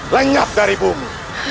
lenyap dari bumi